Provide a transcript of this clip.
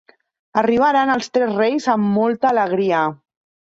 Arribaren els tres reis amb molta alegria